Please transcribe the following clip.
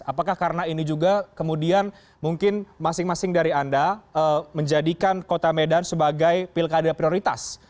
apakah karena ini juga kemudian mungkin masing masing dari anda menjadikan kota medan sebagai pilkada prioritas